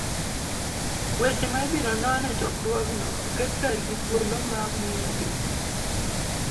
Weche ma ibiro non e chokruogno oket kae gi thuolo ma omiya gi ji